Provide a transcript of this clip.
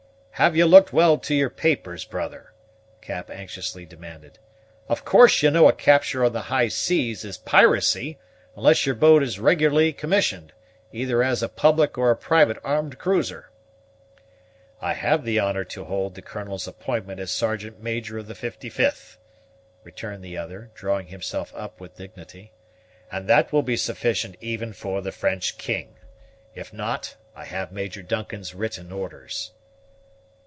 "Have you looked well to your papers, brother?" Cap anxiously demanded. "Of course you know a capture on the high seas is piracy, unless your boat is regularly commissioned, either as a public or a private armed cruiser." "I have the honor to hold the Colonel's appointment as sergeant major of the 55th," returned the other, drawing himself up with dignity, "and that will be sufficient even for the French king. If not, I have Major Duncan's written orders."